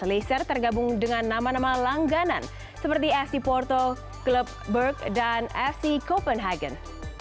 leicester tergabung dengan nama nama langganan seperti fc porto klub berg dan fc copenhagen